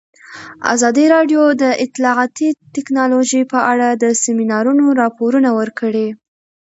ازادي راډیو د اطلاعاتی تکنالوژي په اړه د سیمینارونو راپورونه ورکړي.